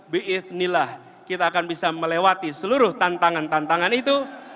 biiznillah kita akan bisa melewati seluruh tantangan tantangan itu